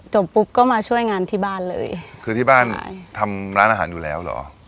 จบปุ๊บก็มาช่วยงานที่บ้านเลยคือที่บ้านทำร้านอาหารอยู่แล้วเหรอ